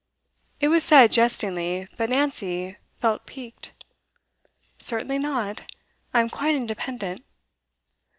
It was said jestingly, but Nancy felt piqued. 'Certainly not. I am quite independent.